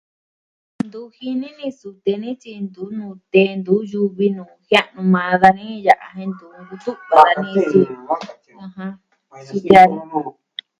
Ntu jini ni sute ni tyi ntu nute, ntu yuvi nuu jia'nu maa dani jen ntu kuvi kutu'va ni